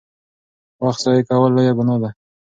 وخت ضایع کول لویه ګناه ده.